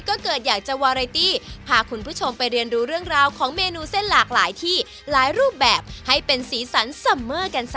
ก็คือสะสมประสบการณ์มาทั้งที่เนี้ยแหละ